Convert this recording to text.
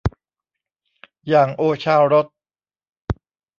อย่างโอชารส